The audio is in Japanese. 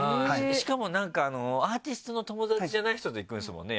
しかもなんかアーティストの友達じゃない人と行くんですもんね